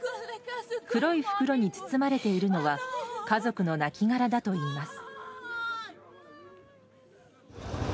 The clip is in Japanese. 黒い袋に包まれているのは家族の亡きがらだといいます。